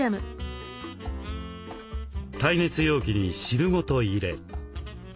耐熱容器に汁ごと入れ。